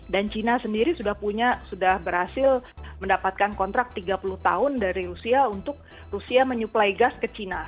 dan china sendiri sudah berhasil mendapatkan kontrak tiga puluh tahun dari rusia untuk rusia menyuplai gas ke china